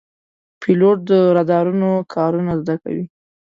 پیلوټ د رادارونو کارونه زده کوي.